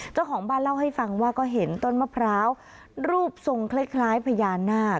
เจ้าของบ้านเล่าให้ฟังว่าก็เห็นต้นมะพร้าวรูปทรงคล้ายพญานาค